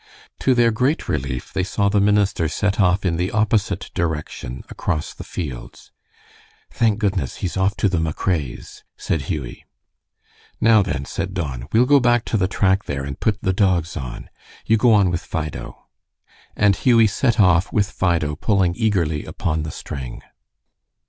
To their great relief they saw the minister set off in the opposite direction across the fields. "Thank goodness! He's off to the McRae's," said Hughie. "Now, then," said Don, "we'll go back to the track there, and put the dogs on. You go on with Fido." And Hughie set off with Fido pulling eagerly upon the string.